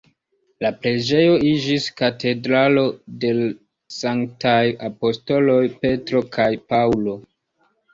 La preĝejo iĝis Katedralo de sanktaj apostoloj Petro kaj Paŭlo.